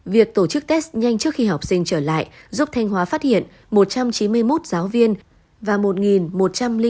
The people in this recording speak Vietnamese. việc tổ chức test nhanh trước khi học sinh trở lại giúp thanh hóa phát hiện một trăm chín mươi một giáo viên và một một trăm linh tám học sinh ca cấp mắc covid một mươi chín